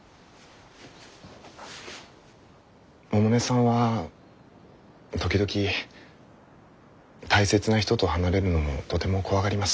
百音さんは時々大切な人と離れるのをとても怖がります。